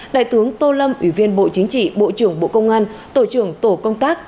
đại tướng tô lâm ủy viên bộ chính trị bộ trưởng bộ công an tổ trưởng tổ công tác